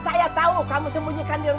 saya tau kamu sembunyikan di rumahmu